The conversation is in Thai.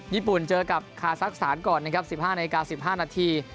ญี่ปุ่นเจอกับคาซักสารก่อนนะครับ๑๕นาที